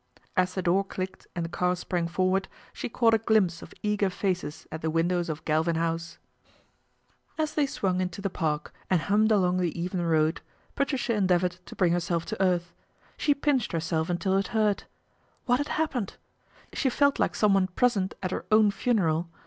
As the door clicked and the sprang forward, she caught a glimpse of eager aces at the windows of Galvin House. 126 PATRICIA BRENT, SPINSTER As they swung into the Park and hummed along the even road, Patricia endeavoured to bring herself to earth. She pinched herself until it hurt. What had happened ? She felt like some one present at her own funeral.